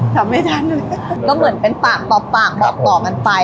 ถามไม่ทันเลยก็เหมือนเป็นปากต่อปากบอกต่อกันไป